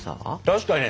確かに！